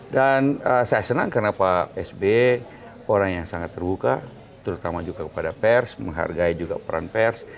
dan saya senang karena pak sby orang yang sangat terbuka terutama juga kepada pers menghargai juga peran pers